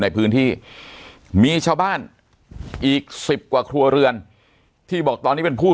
ในพื้นที่มีชาวบ้านอีก๑๐กว่าครัวเรือนที่บอกตอนนี้เป็นผู้